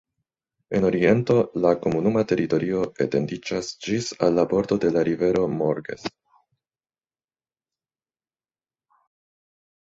En oriento la komunuma teritorio etendiĝas ĝis al la bordo de la rivero Morges.